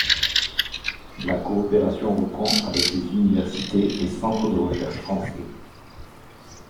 La coopération reprend avec les Universités et Centres de recherche français.